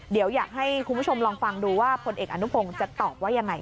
เดี๋ยวอยากให้คุณผู้ชมลองฟังดูว่าผลเอกอนุพงศ์จะตอบว่ายังไง